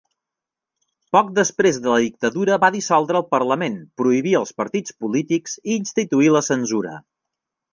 Por després la dictadura va dissoldre el parlament, prohibir els partits polítics i instituir la censura.